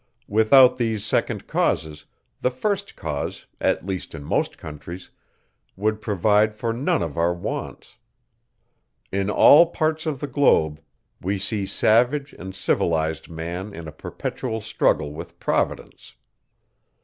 Without these second causes, the first cause, at least in most countries, would provide for none of our wants. In all parts of the globe, we see savage and civilized man in a perpetual struggle with Providence.